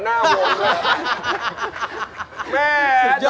โอ้โฮ